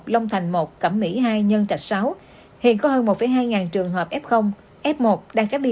long thành một cẩm mỹ hai nhân trạch sáu hiện có hơn một hai ngàn trường hợp f f một đang cách ly